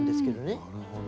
なるほど。